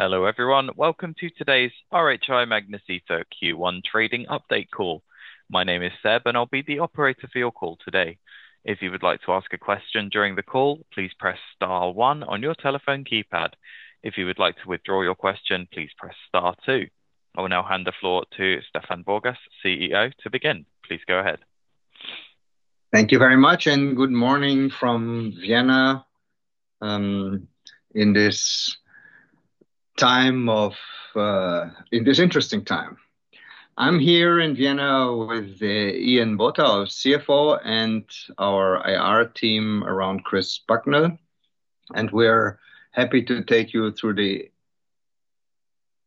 Hello, everyone. Welcome to today's RHI Magnesita Q1 Trading Update call. My name is Seb, and I'll be the operator for your call today. If you would like to ask a question during the call, please press Star 1 on your telephone keypad. If you would like to withdraw your question, please press Star 2. I will now hand the floor to Stefan Borgas, CEO, to begin. Please go ahead. Thank you very much, and good morning from Vienna in this interesting time. I'm here in Vienna with Ian Botha, our CFO, and our IR team around Chris Bucknell. We're happy to take you through the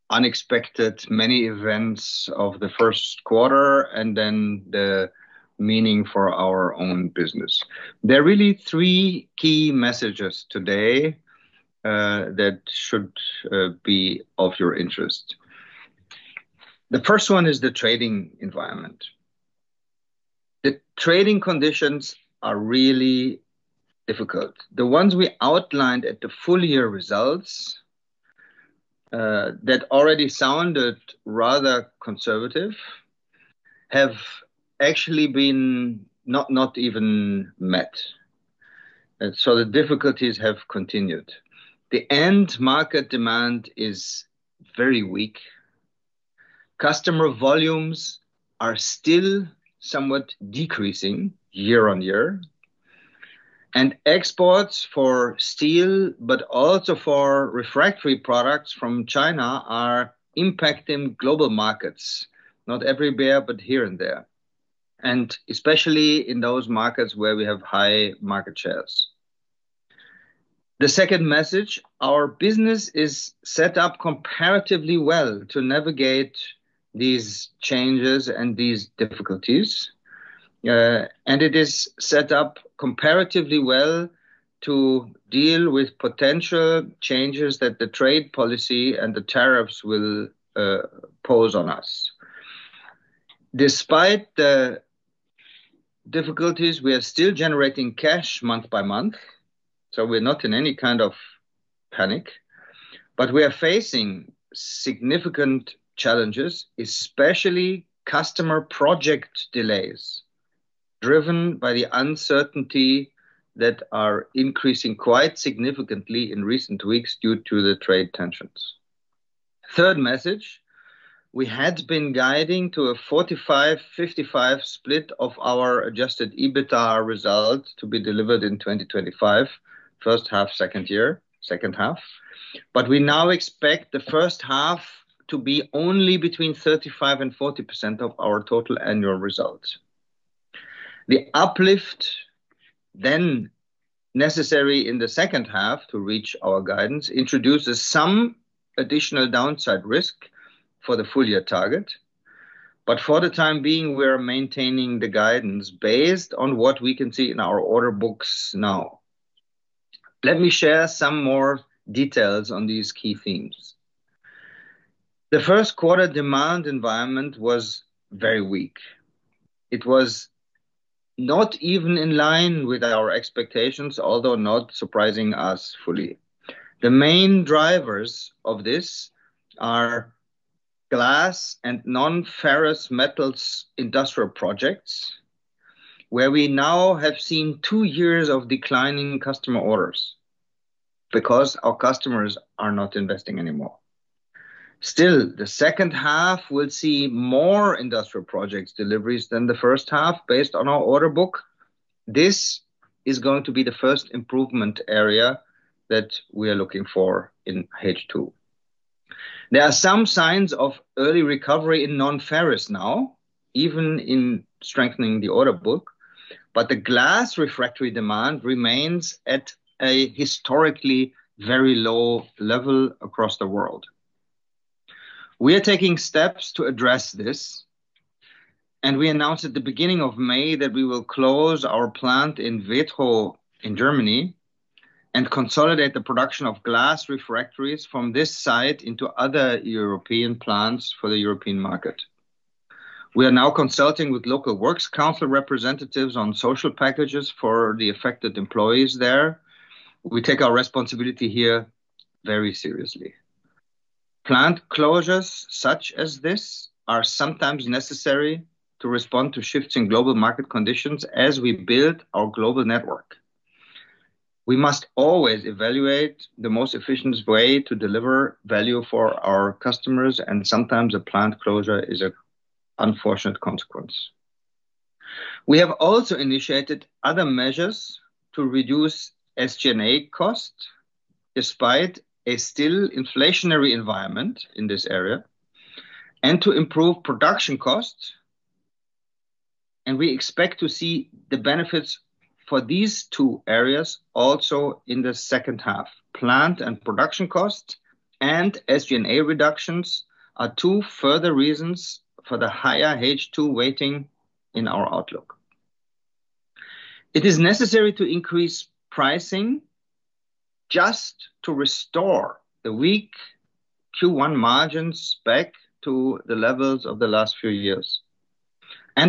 unexpected many events of the first quarter and then the meaning for our own business. There are really three key messages today that should be of your interest. The first one is the trading environment. The trading conditions are really difficult. The ones we outlined at the full year results, that already sounded rather conservative, have actually been not, not even met. The difficulties have continued. The end market demand is very weak. Customer volumes are still somewhat decreasing year on year. Exports for steel, but also for refractory products from China are impacting global markets, not everywhere, but here and there, and especially in those markets where we have high market shares. The second message: our business is set up comparatively well to navigate these changes and these difficulties. It is set up comparatively well to deal with potential changes that the trade policy and the tariffs will pose on us. Despite the difficulties, we are still generating cash month by month, so we're not in any kind of panic. We are facing significant challenges, especially customer project delays driven by the uncertainty that are increasing quite significantly in recent weeks due to the trade tensions. Third message: we had been guiding to a 45/55 split of our adjusted EBITDA result to be delivered in 2025, first half, second year, second half. We now expect the first half to be only between 35% and 40% of our total annual result. The uplift then necessary in the second half to reach our guidance introduces some additional downside risk for the full year target. For the time being, we're maintaining the guidance based on what we can see in our order books now. Let me share some more details on these key themes. The first quarter demand environment was very weak. It was not even in line with our expectations, although not surprising us fully. The main drivers of this are glass and non-ferrous metals industrial projects, where we now have seen two years of declining customer orders because our customers are not investing anymore. Still, the second half will see more industrial projects deliveries than the first half based on our order book. This is going to be the first improvement area that we are looking for in H2. There are some signs of early recovery in non-ferrous now, even in strengthening the order book. The glass refractory demand remains at a historically very low level across the world. We are taking steps to address this, and we announced at the beginning of May that we will close our plant in Germany and consolidate the production of glass refractories from this site into other European plants for the European market. We are now consulting with local works council representatives on social packages for the affected employees there. We take our responsibility here very seriously. Plant closures such as this are sometimes necessary to respond to shifts in global market conditions as we build our global network. We must always evaluate the most efficient way to deliver value for our customers, and sometimes a plant closure is an unfortunate consequence. We have also initiated other measures to reduce SG&A costs despite a still inflationary environment in this area and to improve production costs. We expect to see the benefits for these two areas also in the second half. Plant and production costs and SG&A reductions are two further reasons for the higher H2 weighting in our outlook. It is necessary to increase pricing just to restore the weak Q1 margins back to the levels of the last few years.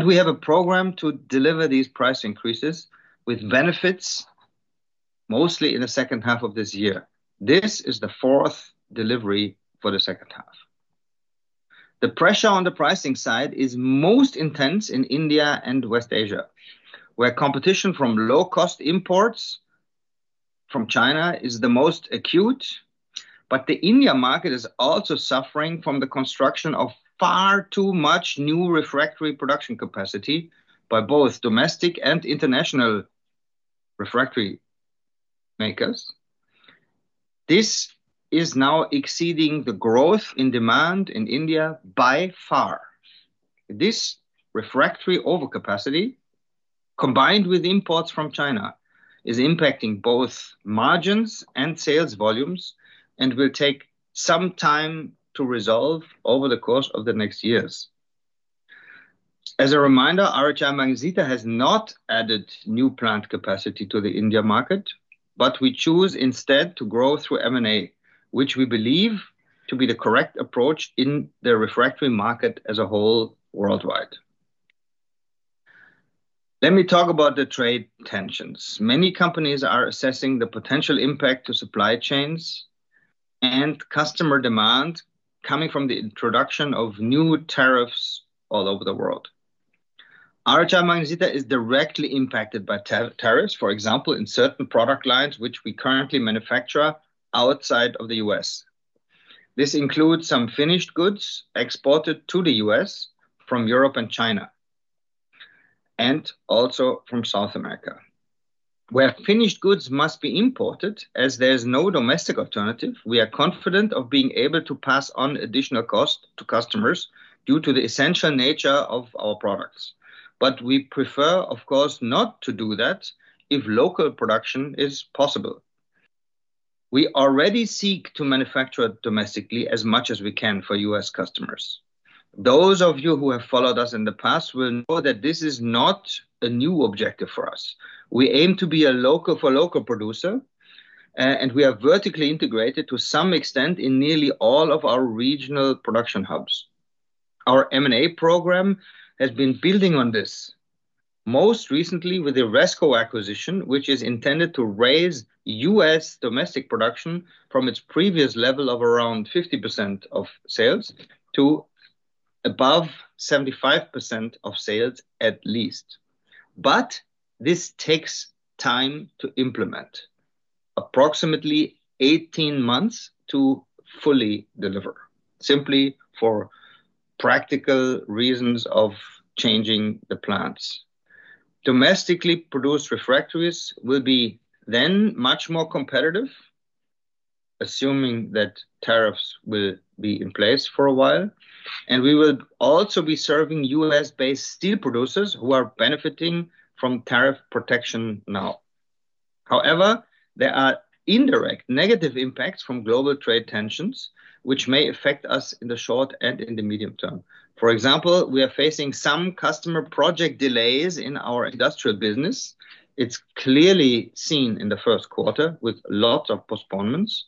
We have a program to deliver these price increases with benefits mostly in the second half of this year. This is the fourth delivery for the second half. The pressure on the pricing side is most intense in India and West Asia, where competition from low-cost imports from China is the most acute. The India market is also suffering from the construction of far too much new refractory production capacity by both domestic and international refractory makers. This is now exceeding the growth in demand in India by far. This refractory overcapacity, combined with imports from China, is impacting both margins and sales volumes and will take some time to resolve over the course of the next years. As a reminder, RHI Magnesita has not added new plant capacity to the India market, but we choose instead to grow through M&A, which we believe to be the correct approach in the refractory market as a whole worldwide. Let me talk about the trade tensions. Many companies are assessing the potential impact to supply chains and customer demand coming from the introduction of new tariffs all over the world. RHI Magnesita is directly impacted by tariffs, for example, in certain product lines which we currently manufacture outside of the U.S. This includes some finished goods exported to the U.S. from Europe and China and also from South America. Where finished goods must be imported, as there is no domestic alternative, we are confident of being able to pass on additional costs to customers due to the essential nature of our products. We prefer, of course, not to do that if local production is possible. We already seek to manufacture domestically as much as we can for U.S. customers. Those of you who have followed us in the past will know that this is not a new objective for us. We aim to be a local-for-local producer, and we are vertically integrated to some extent in nearly all of our regional production hubs. Our M&A program has been building on this, most recently with the RESCO acquisition, which is intended to raise US domestic production from its previous level of around 50% of sales to above 75% of sales at least. This takes time to implement, approximately 18 months to fully deliver, simply for practical reasons of changing the plants. Domestically produced refractories will then be much more competitive, assuming that tariffs will be in place for a while. We will also be serving US-based steel producers who are benefiting from tariff protection now. However, there are indirect negative impacts from global trade tensions, which may affect us in the short and in the medium term. For example, we are facing some customer project delays in our industrial business. It is clearly seen in the first quarter with lots of postponements,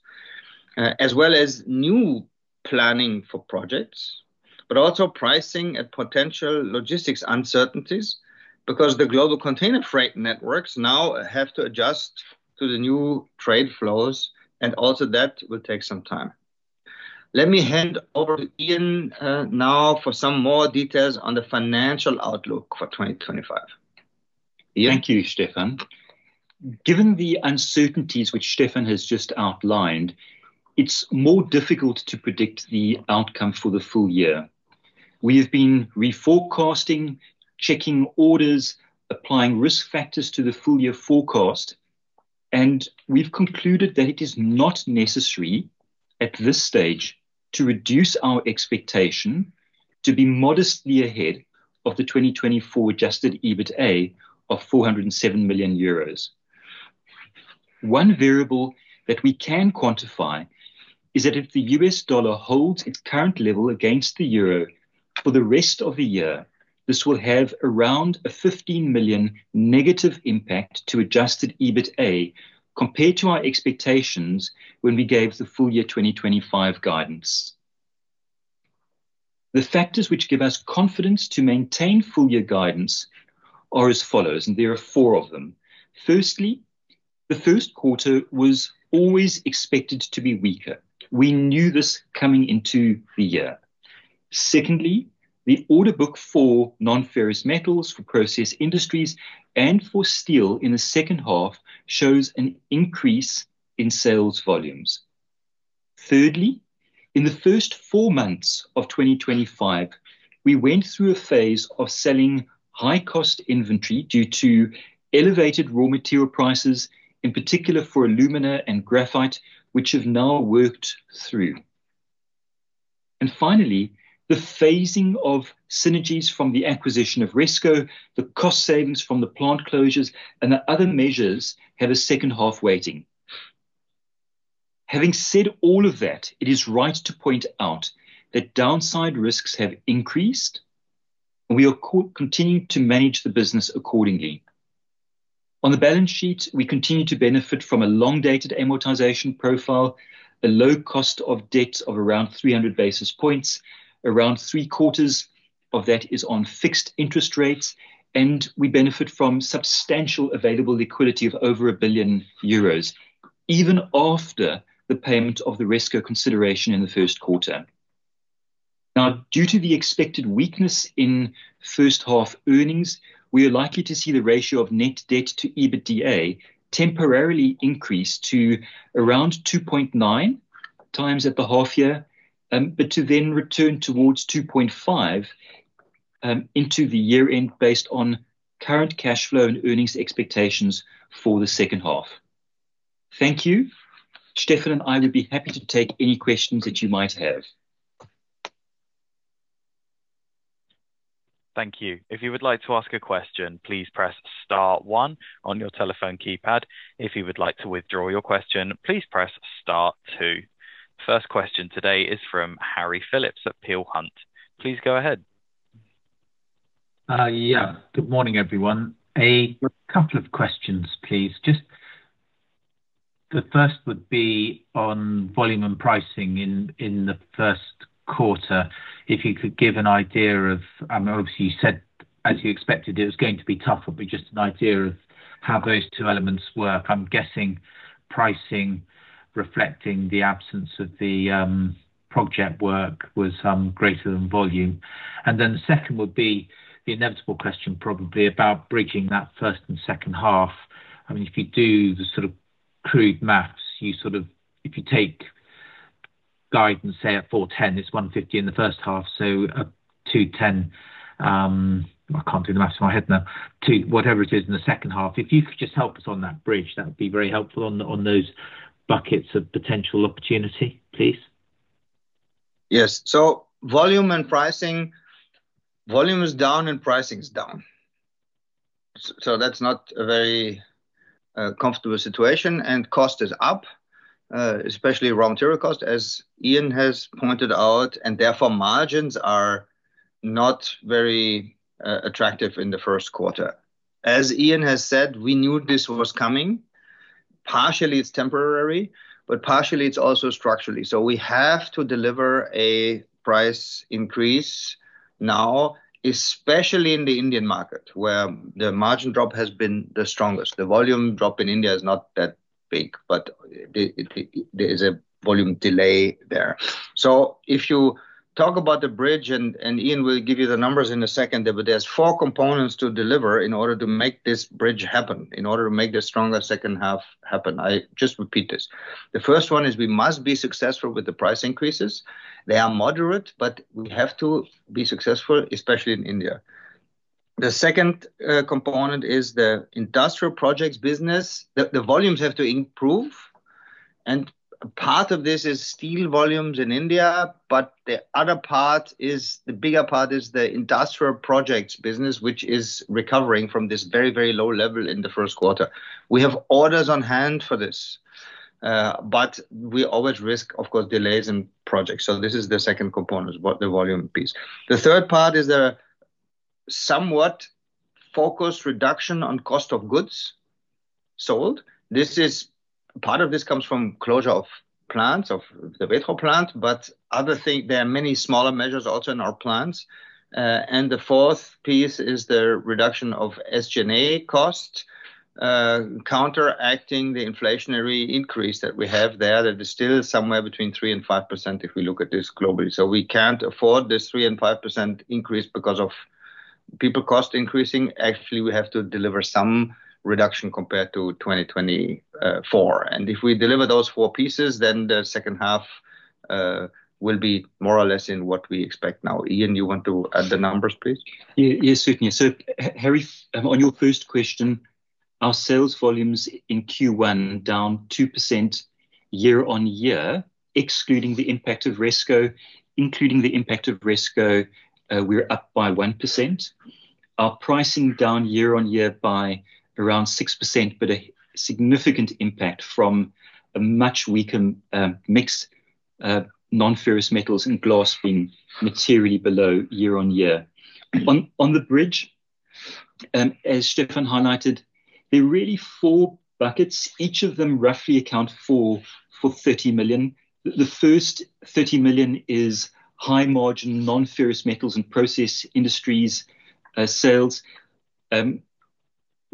as well as new planning for projects, but also pricing and potential logistics uncertainties because the global container freight networks now have to adjust to the new trade flows. That will take some time. Let me hand over to Ian now for some more details on the financial outlook for 2025. Thank you, Stefan. Given the uncertainties which Stefan has just outlined, it's more difficult to predict the outcome for the full year. We have been reforecasting, checking orders, applying risk factors to the full year forecast, and we've concluded that it is not necessary at this stage to reduce our expectation to be modestly ahead of the 2024 adjusted EBITDA of 407 million euros. One variable that we can quantify is that if the U.S. dollar holds its current level against the euro for the rest of the year, this will have around a 15 million negative impact to adjusted EBITDA compared to our expectations when we gave the full year 2025 guidance. The factors which give us confidence to maintain full year guidance are as follows, and there are four of them. Firstly, the first quarter was always expected to be weaker. We knew this coming into the year. Secondly, the order book for non-ferrous metals for process industries and for steel in the second half shows an increase in sales volumes. Thirdly, in the first four months of 2025, we went through a phase of selling high-cost inventory due to elevated raw material prices, in particular for alumina and graphite, which have now worked through. Finally, the phasing of synergies from the acquisition of RESCO, the cost savings from the plant closures, and the other measures have a second half waiting. Having said all of that, it is right to point out that downside risks have increased, and we are continuing to manage the business accordingly. On the balance sheet, we continue to benefit from a long-dated amortization profile, a low cost of debt of around 300 basis points. Around three quarters of that is on fixed interest rates, and we benefit from substantial available liquidity of over 1 billion euros even after the payment of the RESCO consideration in the first quarter. Now, due to the expected weakness in first half earnings, we are likely to see the ratio of net debt to EBITDA temporarily increase to around 2.9 times at the half year, but to then return towards 2.5 into the year end based on current cash flow and earnings expectations for the second half. Thank you. Stefan and I would be happy to take any questions that you might have. Thank you. If you would like to ask a question, please press Star 1 on your telephone keypad. If you would like to withdraw your question, please press Star 2. First question today is from Harry Phillips at Peel Hunt. Please go ahead. Yeah. Good morning, everyone. A couple of questions, please. Just the first would be on volume and pricing in, in the first quarter. If you could give an idea of, obviously you said as you expected it was going to be tough, but just an idea of how those two elements work. I'm guessing pricing reflecting the absence of the project work was greater than volume. And then the second would be the inevitable question probably about bridging that first and second half. I mean, if you do the sort of crude maths, you sort of, if you take guidance, say at 410 million, it's 150 million in the first half. So, 210 million, I can't do the maths in my head now, to whatever it is in the second half. If you could just help us on that bridge, that would be very helpful on, on those buckets of potential opportunity, please. Yes. Volume and pricing, volume is down and pricing is down. That is not a very comfortable situation. Cost is up, especially raw material cost, as Ian has pointed out, and therefore margins are not very attractive in the first quarter. As Ian has said, we knew this was coming. Partially it is temporary, but partially it is also structural. We have to deliver a price increase now, especially in the Indian market where the margin drop has been the strongest. The volume drop in India is not that big, but it is a volume delay there. If you talk about the bridge, and Ian will give you the numbers in a second, there are four components to deliver in order to make this bridge happen, in order to make the stronger second half happen. I just repeat this. The first one is we must be successful with the price increases. They are moderate, but we have to be successful, especially in India. The second component is the industrial projects business. The volumes have to improve. Part of this is steel volumes in India, but the other part, the bigger part, is the industrial projects business, which is recovering from this very, very low level in the first quarter. We have orders on hand for this, but we always risk, of course, delays in projects. This is the second component, the volume piece. The third part is a somewhat focused reduction on cost of goods sold. Part of this comes from closure of plants, of the petrol plants, but other things, there are many smaller measures also in our plants. and the fourth piece is the reduction of SG&A costs, counteracting the inflationary increase that we have there that is still somewhere between 3% and 5% if we look at this globally. We can't afford this 3% and 5% increase because of people cost increasing. Actually, we have to deliver some reduction compared to 2024. If we deliver those four pieces, then the second half will be more or less in what we expect now. Ian, you want to add the numbers, please? Yeah, yeah, certainly. So Harry, on your first question, our sales volumes in Q1 down 2% year on year, excluding the impact of RESCO, including the impact of RESCO, we're up by 1%. Our pricing down year on year by around 6%, but a significant impact from a much weaker mix, non-ferrous metals and glass being materially below year on year. On the bridge, as Stefan highlighted, there are really four buckets, each of them roughly account for 30 million. The first 30 million is high margin non-ferrous metals and process industries sales.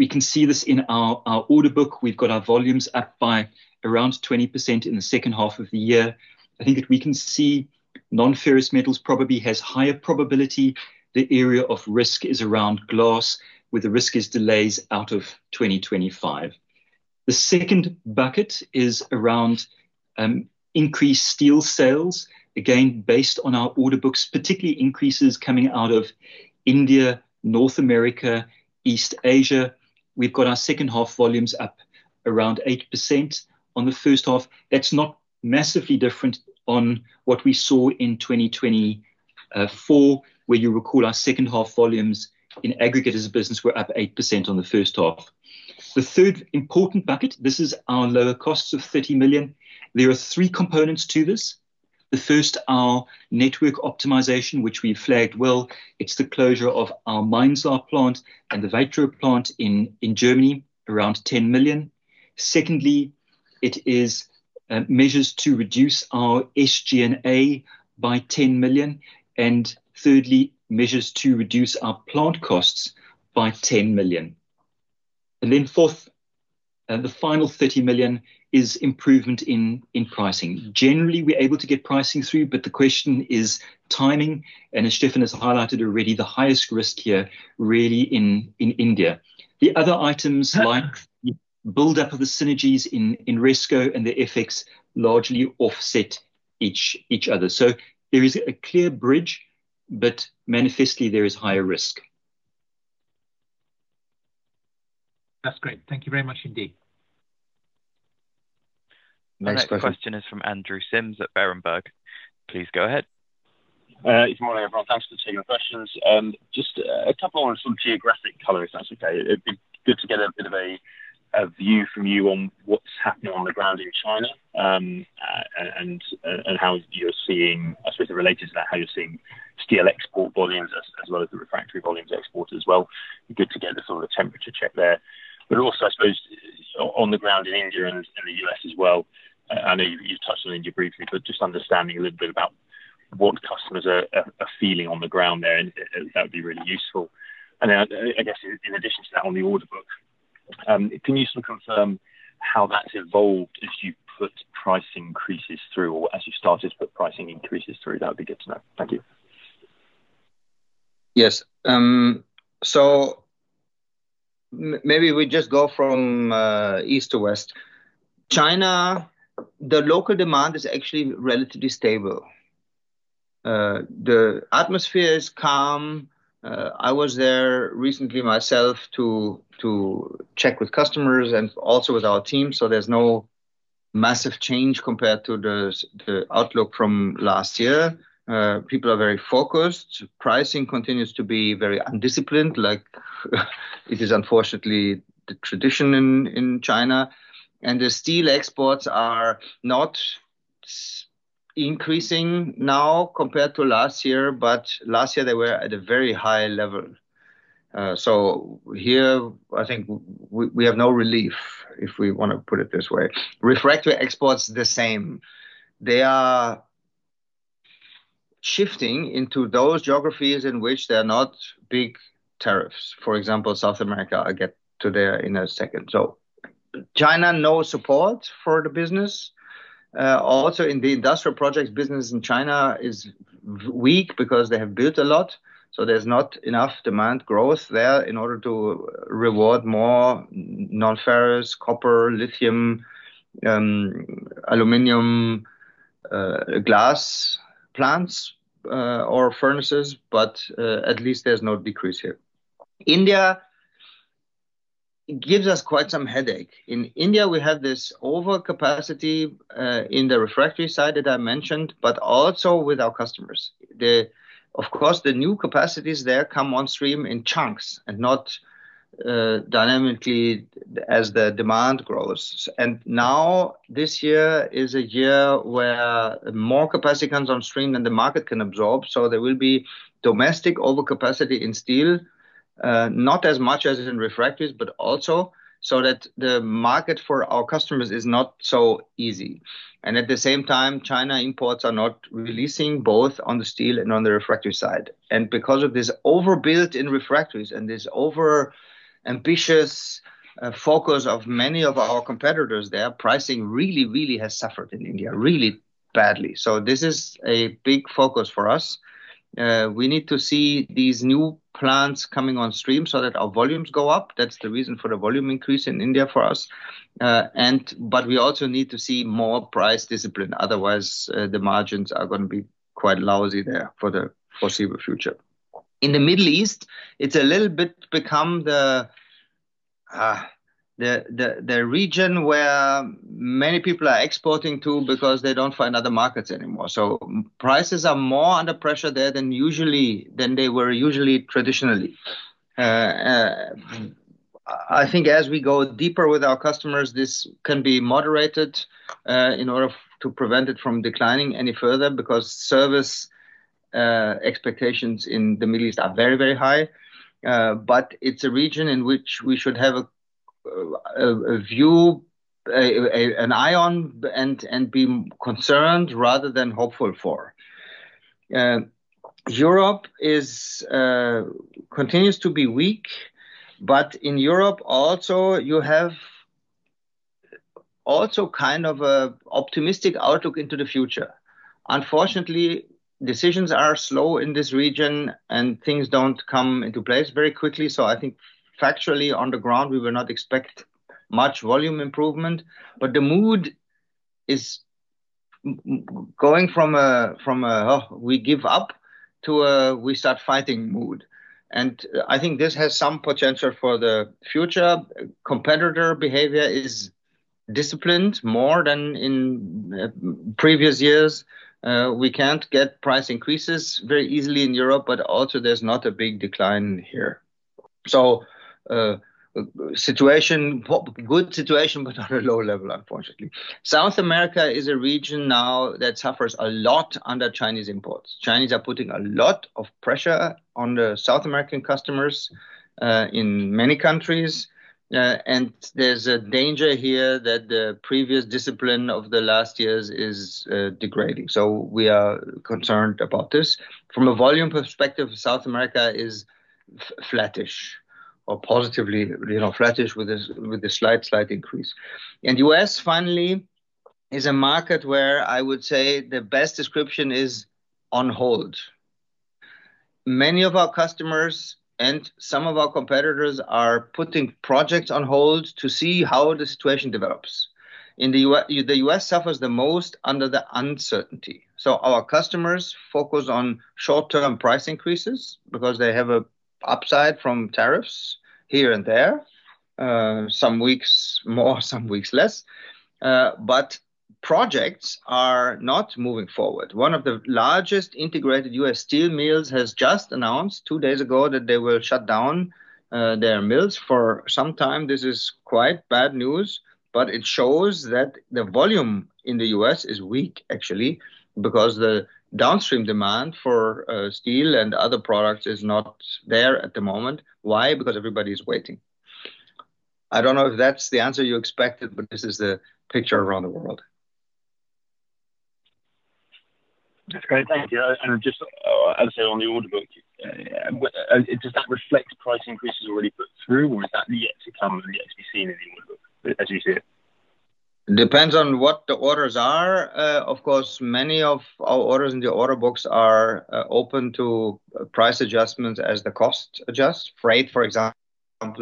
We can see this in our order book. We've got our volumes up by around 20% in the second half of the year. I think that we can see non-ferrous metals probably has higher probability. The area of risk is around glass, with the risk is delays out of 2025. The second bucket is around increased steel sales, again, based on our order books, particularly increases coming out of India, North America, East Asia. We've got our second half volumes up around 8% on the first half. That's not massively different on what we saw in 2024, where you recall our second-half volumes in aggregate as a business were up 8% on the first half. The third important bucket, this is our lower costs of 30 million. There are three components to this. The first, our network optimization, which we've flagged well. It's the closure of our Minesar plant and the Vetro plant in Germany, around 10 million. Secondly, it is measures to reduce our SG&A by 10 million. And thirdly, measures to reduce our plant costs by 10 million. The final 30 million is improvement in pricing. Generally, we're able to get pricing through, but the question is timing. As Stefan has highlighted already, the highest risk here really is in India. The other items like the buildup of the synergies in RESCO and the FX largely offset each other. There is a clear bridge, but manifestly there is higher risk. That's great. Thank you very much indeed. Next question is from Andrew Simms at Berenberg. Please go ahead. Good morning, everyone. Thanks for taking the questions. Just a couple of sort of geographic colors, if that's okay. It'd be good to get a bit of a view from you on what's happening on the ground in China, and how you're seeing, I suppose related to that, how you're seeing steel export volumes as well as the refractory volumes export as well. Good to get a sort of a temperature check there. I suppose, on the ground in India and the U.S. as well, I know you've touched on India briefly, but just understanding a little bit about what customers are feeling on the ground there, that would be really useful. I guess in addition to that on the order book, can you sort of confirm how that's evolved as you put price increases through or as you started to put pricing increases through? That would be good to know. Thank you. Yes. Maybe we just go from east to west. China, the local demand is actually relatively stable. The atmosphere is calm. I was there recently myself to check with customers and also with our team. There is no massive change compared to the outlook from last year. People are very focused. Pricing continues to be very undisciplined, like it is unfortunately the tradition in China. The steel exports are not increasing now compared to last year, but last year they were at a very high level. Here, I think we have no relief, if we want to put it this way. Refractory exports are the same. They are shifting into those geographies in which there are not big tariffs. For example, South America. I will get to there in a second. China, no support for the business. Also, in the industrial projects business in China, it is weak because they have built a lot. There is not enough demand growth there in order to reward more non-ferrous, copper, lithium, aluminum, glass plants, or furnaces. At least there is no decrease here. India gives us quite some headache. In India, we have this overcapacity in the refractory side that I mentioned, but also with our customers. Of course, the new capacities there come on stream in chunks and not dynamically as the demand grows. Now, this year is a year where more capacity comes on stream than the market can absorb. There will be domestic overcapacity in steel, not as much as in refractories, but also so that the market for our customers is not so easy. At the same time, China imports are not releasing both on the steel and on the refractory side. Because of this overbuilt in refractories and this over-ambitious focus of many of our competitors there, pricing really, really has suffered in India really badly. This is a big focus for us. We need to see these new plants coming on stream so that our volumes go up. That's the reason for the volume increase in India for us. We also need to see more price discipline. Otherwise, the margins are gonna be quite lousy there for the foreseeable future. In the Middle East, it's a little bit become the region where many people are exporting to because they don't find other markets anymore. Prices are more under pressure there than they were usually traditionally. I think as we go deeper with our customers, this can be moderated, in order to prevent it from declining any further because service expectations in the Middle East are very, very high. It is a region in which we should have a view, an eye on and be concerned rather than hopeful for. Europe continues to be weak, but in Europe also, you have also kind of an optimistic outlook into the future. Unfortunately, decisions are slow in this region and things do not come into place very quickly. I think factually on the ground, we will not expect much volume improvement, but the mood is going from a, oh, we give up to a, we start fighting mood. I think this has some potential for the future. Competitor behavior is disciplined more than in previous years. We can't get price increases very easily in Europe, but also there's not a big decline here. Situation, good situation, but on a low level, unfortunately. South America is a region now that suffers a lot under Chinese imports. Chinese are putting a lot of pressure on the South American customers, in many countries, and there's a danger here that the previous discipline of the last years is degrading. We are concerned about this. From a volume perspective, South America is flattish or positively, you know, flattish with this, with the slight, slight increase. The U.S. finally is a market where I would say the best description is on hold. Many of our customers and some of our competitors are putting projects on hold to see how the situation develops. In the U.S., the U.S. suffers the most under the uncertainty. Our customers focus on short-term price increases because they have an upside from tariffs here and there, some weeks more, some weeks less. Projects are not moving forward. One of the largest integrated US steel mills has just announced two days ago that they will shut down their mills for some time. This is quite bad news, but it shows that the volume in the U.S. is weak, actually, because the downstream demand for steel and other products is not there at the moment. Why? Because everybody's waiting. I don't know if that's the answer you expected, but this is the picture around the world. That's great. Thank you. Just, as I said on the order book, does that reflect price increases already put through, or is that yet to come and yet to be seen in the order book as you see it? Depends on what the orders are. Of course, many of our orders in the order books are open to price adjustments as the cost adjusts. Freight, for example,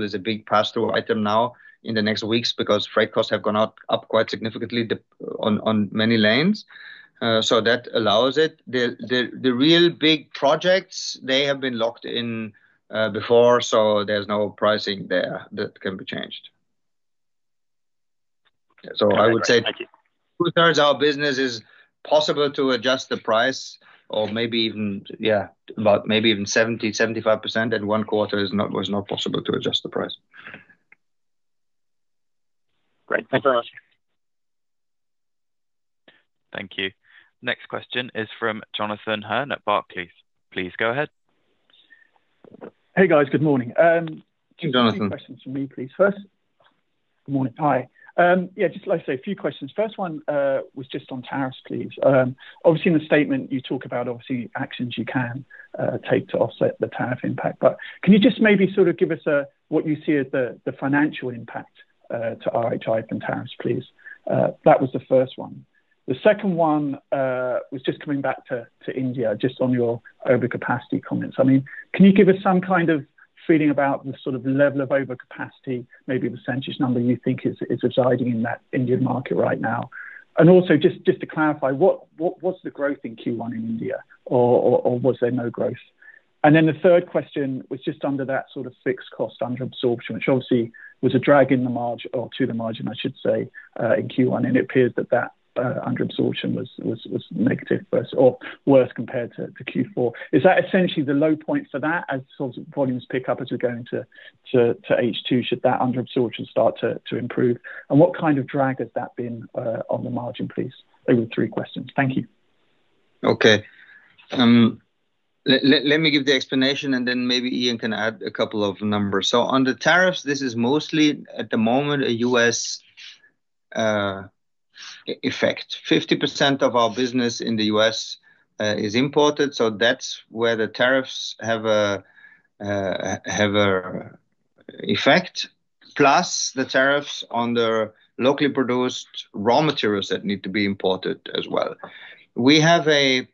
is a big pass-through item now in the next weeks because freight costs have gone up quite significantly on many lanes. That allows it. The real big projects, they have been locked in before, so there is no pricing there that can be changed. I would say two-thirds of our business is possible to adjust the price or maybe even, yeah, about maybe even 70%, 75%, and one quarter is not, was not possible to adjust the price. Great. Thanks very much. Thank you. Next question is from Jonathan Hearn at Barclays. Please go ahead. Hey guys, good morning. Two questions from me, please. First, good morning. Hi. Yeah, just like I say, a few questions. First one was just on tariffs, please. Obviously in the statement, you talk about obviously actions you can take to offset the tariff impact, but can you just maybe sort of give us what you see as the financial impact to RHI Magnesita from tariffs, please? That was the first one. The second one was just coming back to India, just on your overcapacity comments. I mean, can you give us some kind of feeling about the sort of level of overcapacity, maybe the percentage number you think is residing in that Indian market right now? And also just to clarify, what was the growth in Q1 in India, or was there no growth? The third question was just under that sort of fixed cost under absorption, which obviously was a drag in the margin, or to the margin, I should say, in Q1. It appears that that under absorption was negative versus, or worse compared to, Q4. Is that essentially the low point for that as sort of volumes pick up as we go into H2? Should that under absorption start to improve? What kind of drag has that been on the margin, please? Those were three questions. Thank you. Okay. Let me give the explanation and then maybe Ian can add a couple of numbers. On the tariffs, this is mostly at the moment a US effect. Fifty percent of our business in the U.S. is imported. That is where the tariffs have an effect, plus the tariffs on the locally produced raw materials that need to be imported as well. We have a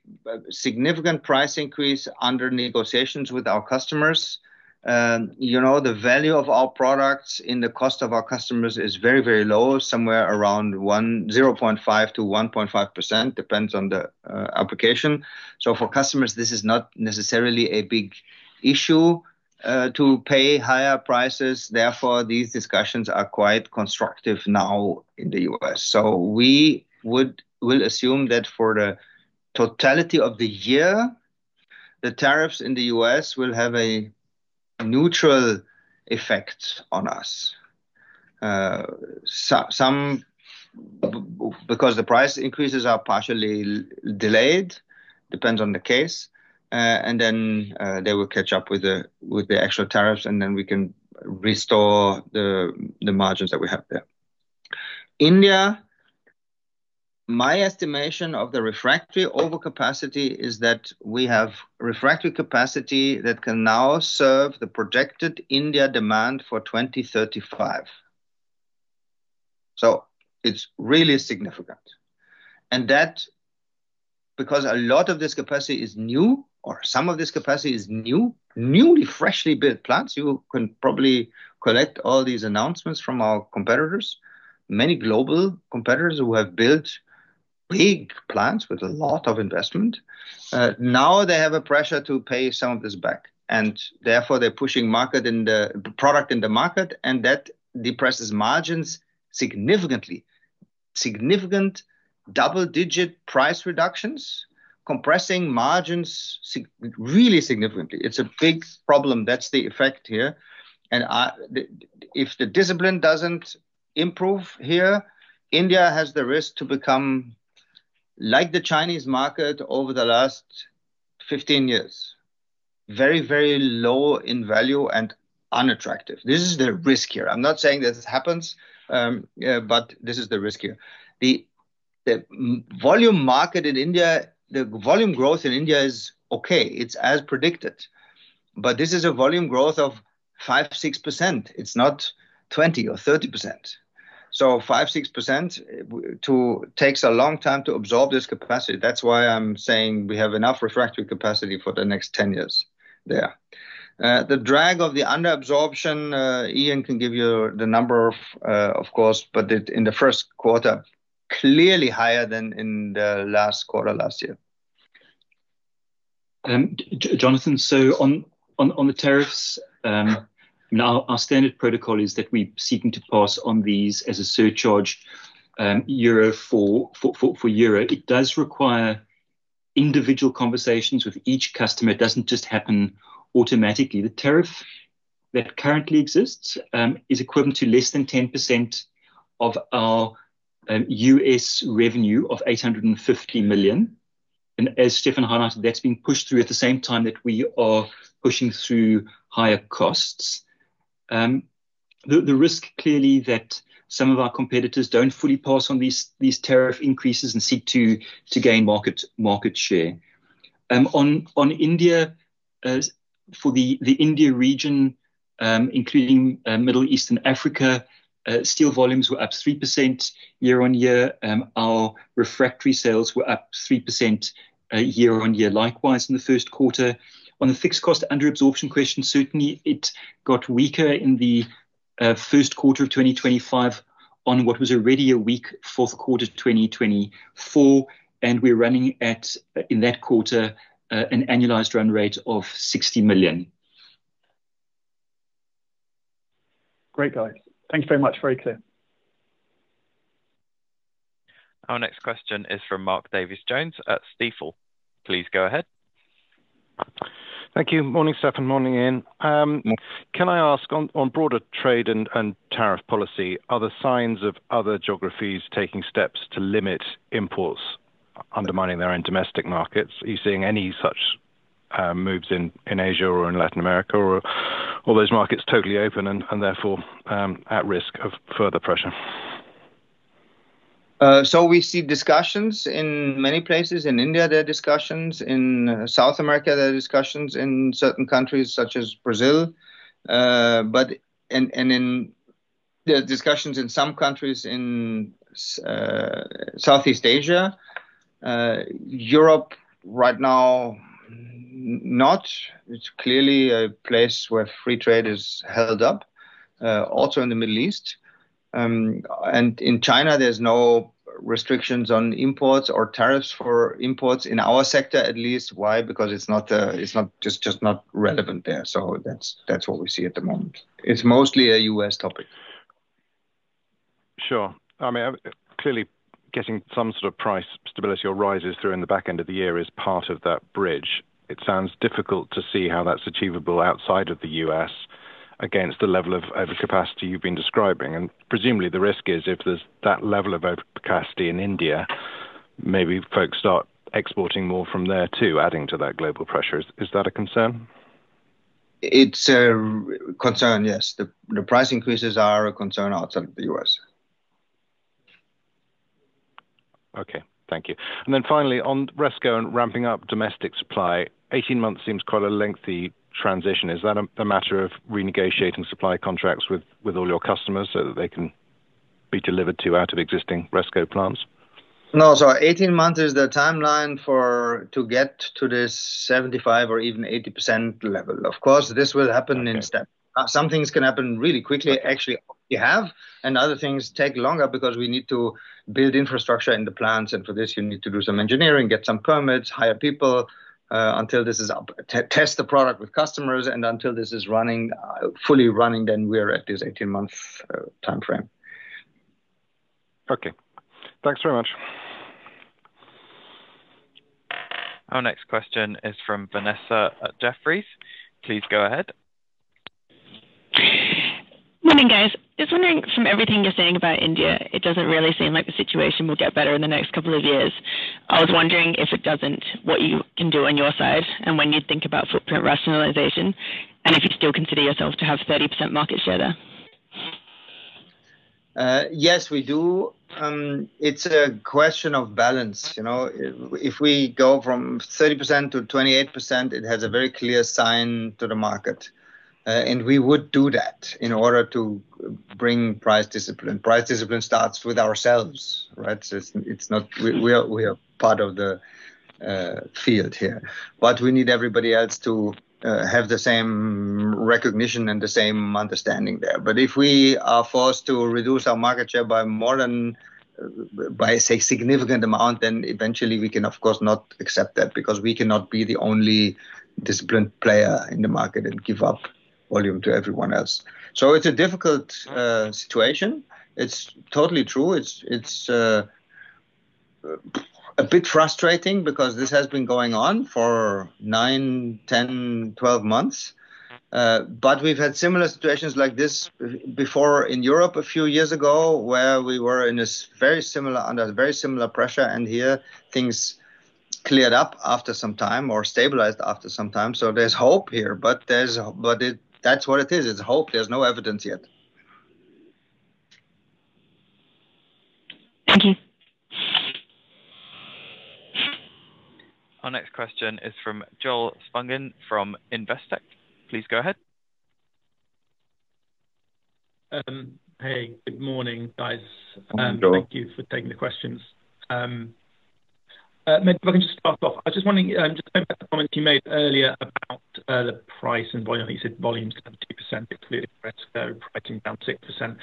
significant price increase under negotiations with our customers. You know, the value of our products in the cost of our customers is very, very low, somewhere around 0.5%-1.5%, depends on the application. For customers, this is not necessarily a big issue to pay higher prices. Therefore, these discussions are quite constructive now in the US. We will assume that for the totality of the year, the tariffs in the U.S. will have a neutral effect on us. Some because the price increases are partially delayed, depends on the case. They will catch up with the actual tariffs, and then we can restore the margins that we have there. India, my estimation of the refractory overcapacity is that we have refractory capacity that can now serve the projected India demand for 2035. It is really significant. That is because a lot of this capacity is new or some of this capacity is new, newly freshly built plants. You can probably collect all these announcements from our competitors, many global competitors who have built big plants with a lot of investment. Now they have a pressure to pay some of this back, and therefore they're pushing product in the market, and that depresses margins significantly, significant double-digit price reductions, compressing margins really significantly. It's a big problem. That's the effect here. If the discipline doesn't improve here, India has the risk to become like the Chinese market over the last 15 years, very, very low in value and unattractive. This is the risk here. I'm not saying this happens, but this is the risk here. The volume market in India, the volume growth in India is okay. It's as predicted, but this is a volume growth of 5%-6%. It's not 20% or 30%. So 5%, 6% takes a long time to absorb this capacity. That's why I'm saying we have enough refractory capacity for the next 10 years there. The drag of the under absorption, Ian can give you the number of, of course, but it in the first quarter, clearly higher than in the last quarter last year. Jonathan, on the tariffs, our standard protocol is that we're seeking to pass on these as a surcharge, euro for euro. It does require individual conversations with each customer. It does not just happen automatically. The tariff that currently exists is equivalent to less than 10% of our US revenue of €850 million. As Stefan highlighted, that is being pushed through at the same time that we are pushing through higher costs. The risk clearly is that some of our competitors do not fully pass on these tariff increases and seek to gain market share. On India, for the India region, including Middle East and Africa, steel volumes were up 3% year on year. Our refractory sales were up 3% year on year. Likewise, in the first quarter, on the fixed cost under absorption question, certainly it got weaker in the first quarter of 2025 on what was already a weak fourth quarter 2024. We are running at, in that quarter, an annualized run rate of €60 million. Great, guys. Thanks very much. Very clear. Our next question is from Mark Davies Jones at Stifel. Please go ahead. Thank you. Morning Stefan and morning Ian. Can I ask on, on broader trade and, and tariff policy, are the signs of other geographies taking steps to limit imports, undermining their own domestic markets? Are you seeing any such moves in, in Asia or in Latin America or, or those markets totally open and, and therefore, at risk of further pressure? So we see discussions in many places in India. There are discussions in South America. There are discussions in certain countries such as Brazil, and there are discussions in some countries in Southeast Asia. Europe right now, not. It's clearly a place where free trade is held up, also in the Middle East. In China, there's no restrictions on imports or tariffs for imports in our sector, at least. Why? Because it's just not relevant there. That's what we see at the moment. It's mostly a US topic. Sure. I mean, clearly getting some sort of price stability or rises through in the back end of the year is part of that bridge. It sounds difficult to see how that's achievable outside of the U.S. against the level of overcapacity you've been describing. Presumably the risk is if there's that level of overcapacity in India, maybe folks start exporting more from there too, adding to that global pressure. Is that a concern? It's a concern, yes. The price increases are a concern outside of the US. Okay. Thank you. Finally, on RESCO and ramping up domestic supply, 18 months seems quite a lengthy transition. Is that a matter of renegotiating supply contracts with all your customers so that they can be delivered to out of existing RESCO plants? No, sorry. 18 months is the timeline to get to this 75% or even 80% level. Of course, this will happen in steps. Some things can happen really quickly, actually, we have, and other things take longer because we need to build infrastructure in the plants. For this, you need to do some engineering, get some permits, hire people, until this is up, test the product with customers. Until this is running, fully running, then we are at this 18-month timeframe. Okay. Thanks very much. Our next question is from Vanessa at Jeffries. Please go ahead. Morning guys. Just wondering from everything you're saying about India, it doesn't really seem like the situation will get better in the next couple of years. I was wondering if it doesn't, what you can do on your side and when you think about footprint rationalization and if you still consider yourself to have 30% market share there. Yes, we do. It's a question of balance. You know, if we go from 30% to 28%, it has a very clear sign to the market. We would do that in order to bring price discipline. Price discipline starts with ourselves, right? We are part of the field here, but we need everybody else to have the same recognition and the same understanding there. If we are forced to reduce our market share by more than, by a significant amount, then eventually we can, of course, not accept that because we cannot be the only disciplined player in the market and give up volume to everyone else. It's a difficult situation. It's totally true. It's a bit frustrating because this has been going on for 9, 10, 12 months. We have had similar situations like this before in Europe a few years ago where we were under very similar pressure, and here things cleared up after some time or stabilized after some time. There is hope here, but that is what it is. It is hope. There is no evidence yet. Thank you. Our next question is from Joel Spungin from Investec. Please go ahead. Hey, good morning guys. Thank you for taking the questions. Maybe if I can just start off, I was just wondering, just coming back to the comments you made earlier about the price and volume. You said volume's 72%, including RESCO, pricing down 6%.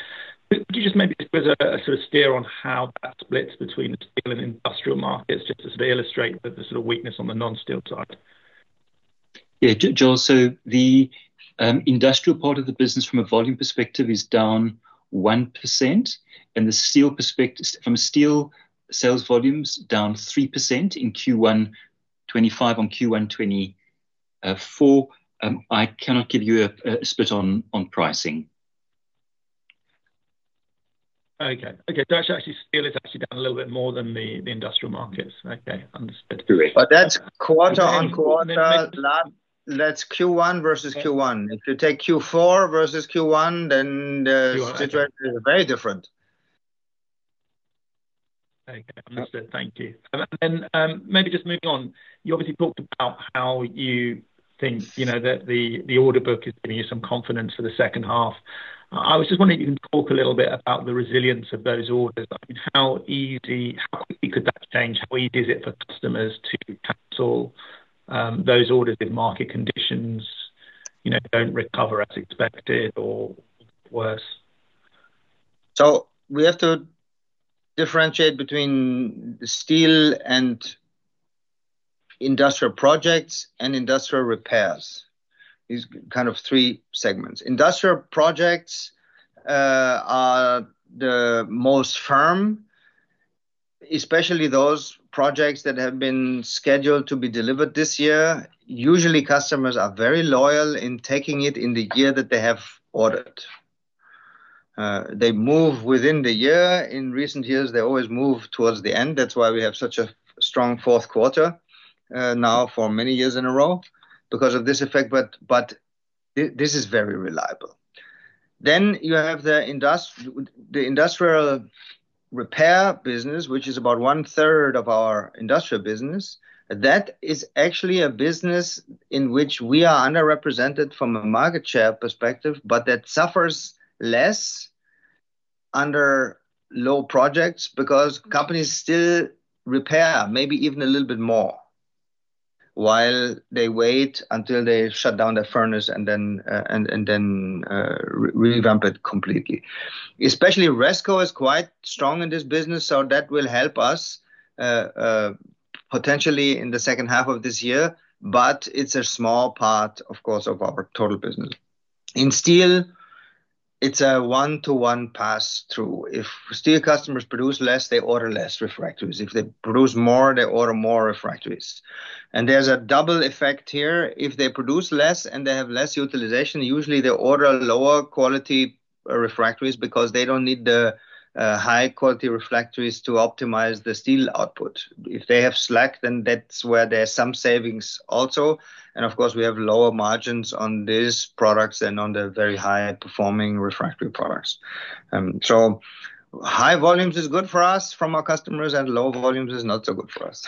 Could you just maybe give us a sort of steer on how that splits between the steel and industrial markets, just to sort of illustrate the sort of weakness on the non-steel side? Yeah, Joel, so the industrial part of the business from a volume perspective is down 1%, and the steel perspective from steel sales volumes down 3% in Q1 2025 on Q1 2024. I cannot give you a split on pricing. Okay. Okay. Steel is actually down a little bit more than the industrial markets. Okay. Understood. That's quarter on quarter. That's Q1 versus Q1. If you take Q4 versus Q1, then the situation is very different. Okay. Understood. Thank you. Maybe just moving on, you obviously talked about how you think, you know, that the order book is giving you some confidence for the second half. I was just wondering if you can talk a little bit about the resilience of those orders. I mean, how easy, how quickly could that change? How easy is it for customers to cancel those orders if market conditions, you know, do not recover as expected or worse? We have to differentiate between steel and industrial projects and industrial repairs. These are kind of three segments. Industrial projects are the most firm, especially those projects that have been scheduled to be delivered this year. Usually, customers are very loyal in taking it in the year that they have ordered. They move within the year. In recent years, they always move towards the end. That is why we have such a strong fourth quarter, now for many years in a row because of this effect. This is very reliable. Then you have the industrial repair business, which is about one third of our industrial business. That is actually a business in which we are underrepresented from a market share perspective, but that suffers less under low projects because companies still repair maybe even a little bit more while they wait until they shut down the furnace and then, and then, revamp it completely. Especially RESCO is quite strong in this business, so that will help us, potentially in the second half of this year, but it's a small part, of course, of our total business. In steel, it's a one-to-one pass-through. If steel customers produce less, they order less refractories. If they produce more, they order more refractories. There is a double effect here. If they produce less and they have less utilization, usually they order lower quality refractories because they do not need the high quality refractories to optimize the steel output. If they have slack, then that's where there's some savings also. Of course, we have lower margins on these products than on the very high performing refractory products. High volumes is good for us from our customers, and low volumes is not so good for us.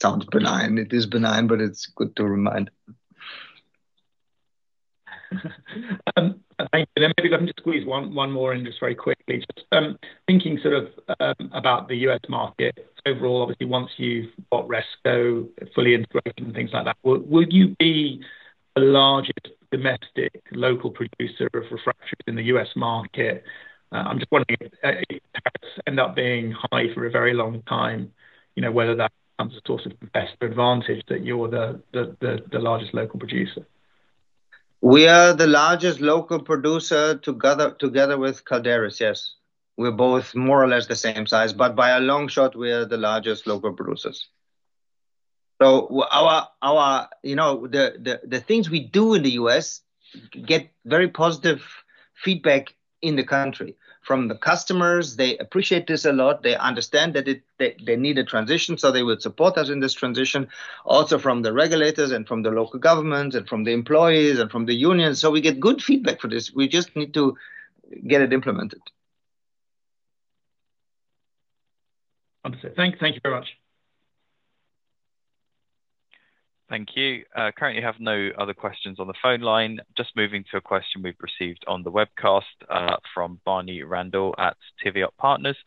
Sounds benign. It is benign, but it's good to remind. Thank you. Then maybe let me just squeeze one more in just very quickly. Just thinking sort of about the U.S. market overall, obviously once you've got RESCO fully integrated and things like that, would you be the largest domestic local producer of refractories in the U.S. market? I'm just wondering, if tariffs end up being high for a very long time, you know, whether that becomes a source of investor advantage that you're the largest local producer? We are the largest local producer together with Calderys, yes. We're both more or less the same size, but by a long shot, we are the largest local producers. Our, you know, the things we do in the U.S. get very positive feedback in the country from the customers. They appreciate this a lot. They understand that they need a transition, so they will support us in this transition. Also from the regulators and from the local governments and from the employees and from the unions. We get good feedback for this. We just need to get it implemented. Understood. Thanks. Thank you very much. Thank you. Currently have no other questions on the phone line. Just moving to a question we've received on the webcast, from Barney Randall at Tivio Partners.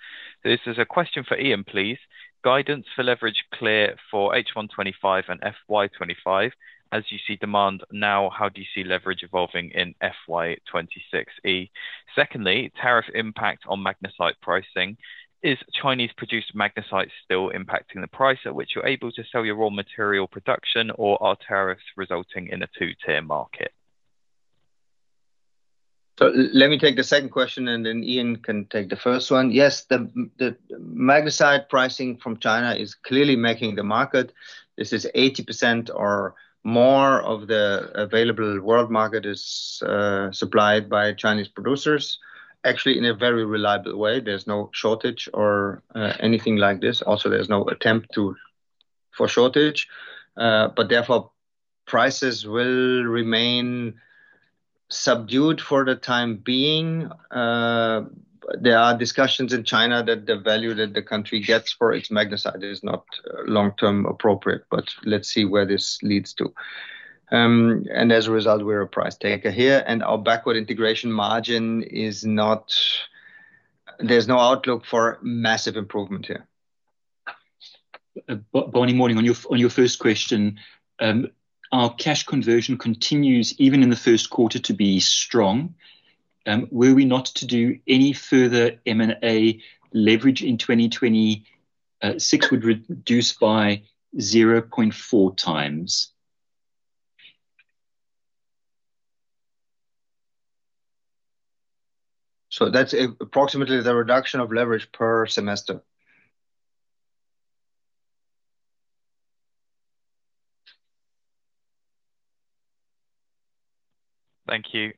This is a question for Ian, please. Guidance for leverage clear for H1 2025 and full year 2025. As you see demand now, how do you see leverage evolving in full year 2026? Secondly, tariff impact on magnesite pricing. Is Chinese produced magnesite still impacting the price at which you're able to sell your raw material production, or are tariffs resulting in a two-tier market? Let me take the second question, and then Ian can take the first one. Yes, the magnesite pricing from China is clearly making the market. This is 80% or more of the available world market, supplied by Chinese producers, actually in a very reliable way. There is no shortage or anything like this. Also, there is no attempt to force shortage, but therefore prices will remain subdued for the time being. There are discussions in China that the value that the country gets for its magnesite is not long-term appropriate, but let's see where this leads to. As a result, we are a price taker here, and our backward integration margin is not, there is no outlook for massive improvement here. Barney, morning, on your first question, our cash conversion continues even in the first quarter to be strong. Were we not to do any further M&A, leverage in 2026, we'd reduce by 0.4 times. That's approximately the reduction of leverage per semester. Thank you.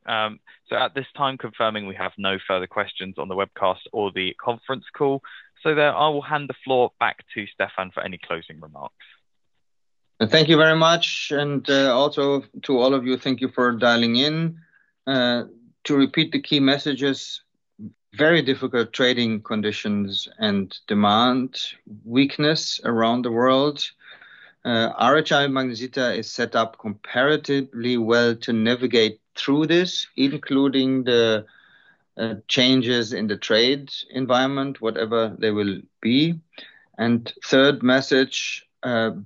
At this time, confirming we have no further questions on the webcast or the conference call. There, I will hand the floor back to Stefan for any closing remarks. Thank you very much. Also, to all of you, thank you for dialing in. To repeat the key messages, very difficult trading conditions and demand weakness around the world. RHI Magnesita is set up comparatively well to navigate through this, including the changes in the trade environment, whatever they will be. Third message,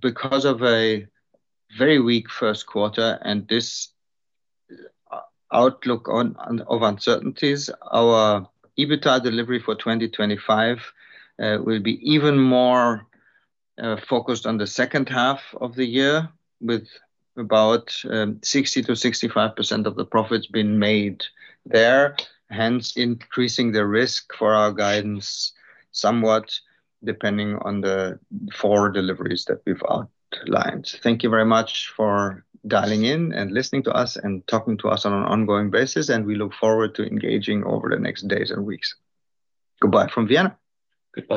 because of a very weak first quarter and this outlook of uncertainties, our EBITDA delivery for 2025 will be even more focused on the second half of the year with about 60%-65% of the profits being made there, hence increasing the risk for our guidance somewhat depending on the four deliveries that we have outlined. Thank you very much for dialing in and listening to us and talking to us on an ongoing basis, and we look forward to engaging over the next days and weeks. Goodbye from Vienna.